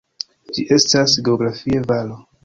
Ĝi estas geografie valo.